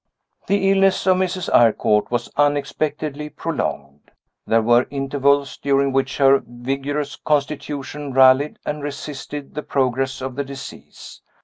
The illness of Mrs. Eyrecourt was unexpectedly prolonged. There were intervals during which her vigorous constitution rallied and resisted the progress of the disease.